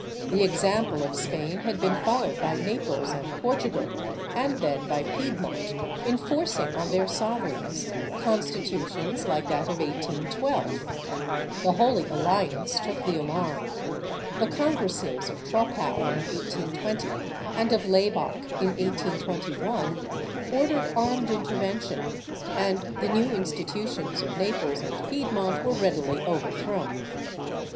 The example of Spain had been followed by Naples and Portugal, and then by Piedmont, in forcing on their sovereigns constitutions like that of 1812; the Holy Alliance took the alarm; the Congresses of Troppau in 1820 and of Laybach in 1821 ordered armed intervention, and the new institutions of Naples and Piedmont were readily overthrown.